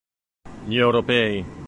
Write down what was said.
Gli europei